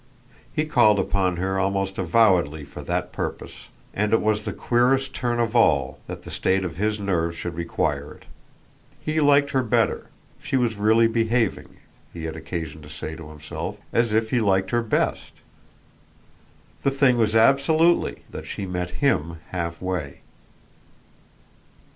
He called upon her almost avowedly for that purpose, and it was the queerest turn of all that the state of his nerves should require it. He liked her better; he was really behaving, he had occasion to say to himself, as if he liked her best. The thing was absolutely that she met HIM halfway.